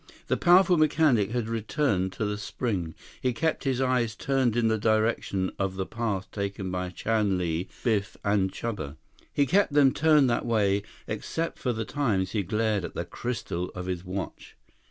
The powerful mechanic had returned to the spring. He kept his eyes turned in the direction of the path taken by Chan Li, Biff, and Chuba. He kept them turned that way except for the times he glared at the crystal of his watch.